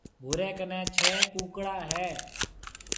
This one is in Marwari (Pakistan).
ڀوري ڪنَي ڇَي ڪونڪڙا هيَ۔